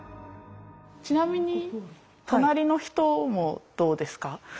ちなみに隣の人もどうですか？